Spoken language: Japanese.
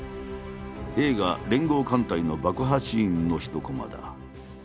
映画「連合艦隊」の爆破シーンの一コマだ。